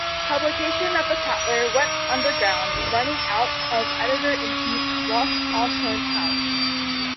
Publication of the "Tattler" went underground, running out of editor-in-chief Rob Ochshorn's house.